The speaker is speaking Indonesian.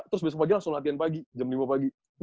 terus besok pagi langsung latihan pagi jam lima pagi